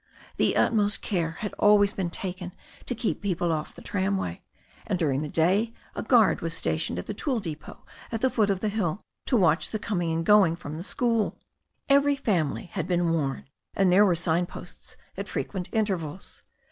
The utmost care had always been taken to keep people off the tramway, and during the day a guard was stationed at the. l^^^V ^^^\. 400 THE STORY OF A NEW ZEALAND RIVER at the foot of the hill to watch the coming and going from the school. Every family had been warned, and there were signposts at frequent intervals.